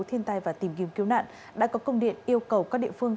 thiên tai và tìm kiếm cứu nạn đã có công điện yêu cầu các địa phương